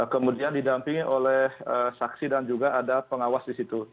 kemudian didampingi oleh saksi dan juga ada pengawas di situ